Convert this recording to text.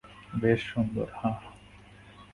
বেশ সুন্দর, হাহ?